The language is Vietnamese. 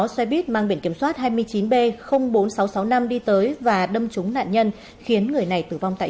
xin chào và hẹn gặp lại